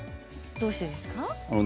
どうしてですか？